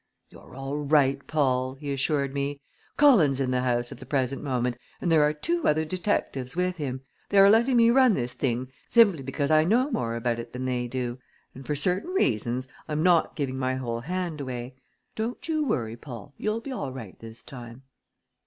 "You're all right, Paul!" he assured me. "Cullen's in the house at the present moment and there are two other detectives with him. They are letting me run this thing simply because I know more about it than they do; and for certain reasons I'm not giving my whole hand away. Don't you worry, Paul! You'll be all right this time.